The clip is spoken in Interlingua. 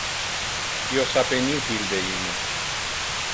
Io sape nihil de ille.